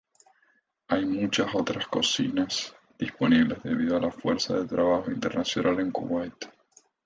Hay muchas otras cocinas disponibles debido a la fuerza del trabajo internacional en Kuwait.